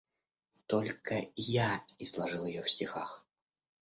Только я изложил ее в стихах.